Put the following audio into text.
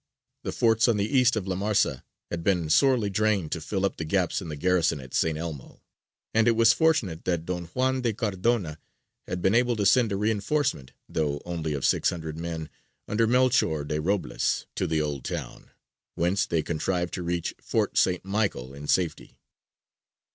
The forts on the east of La Marsa had been sorely drained to fill up the gaps in the garrison at St. Elmo, and it was fortunate that Don Juan de Cardona had been able to send a reinforcement, though only of six hundred men, under Melchior de Robles, to the Old Town, whence they contrived to reach Fort St. Michael in safety.